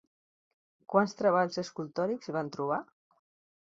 Quants treballs escultòrics van trobar?